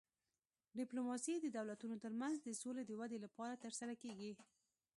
ډیپلوماسي د دولتونو ترمنځ د سولې د ودې لپاره ترسره کیږي